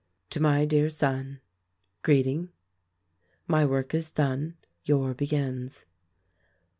"To my dear Son: Greeting. "My work is done ; your begins.